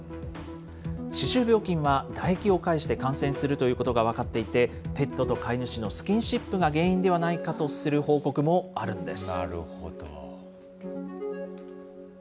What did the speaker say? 歯周病菌は唾液を介して感染するということが分かっていて、ペットと飼い主のスキンシップが原因ではないかとする報告もあるんです。